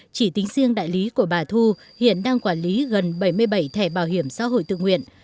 chỉ tính riêng đại lý của bà thu hiện đang quản lý gần bảy mươi bảy thẻ bảo hiểm xã hội tự nguyện